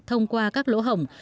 thông qua các lỗ hổng